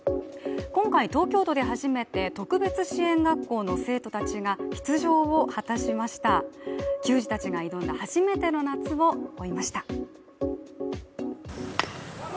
今回、東京都で初めて特別支援学校の生徒たちが出場を果たしました球児たちが挑んだ初めての夏を追いました。